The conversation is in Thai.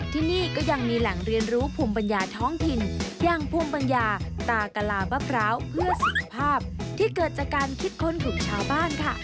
ที่นี่ก็ยังมีแหล่งเรียนรู้ภูมิปัญญาท้องถิ่น